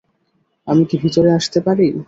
আমি কি ভেতরে আসতে পারি?